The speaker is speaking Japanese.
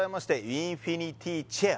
インフィニティチェア